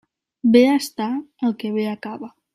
Bé està el que bé acaba.